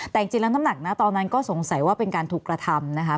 แต่จิลันด์ท่ำหนักตอนนั้นก็สงสัยว่าเป็นการถูกกระทำ